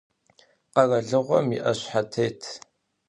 Kheralığom yi'eşshetêt.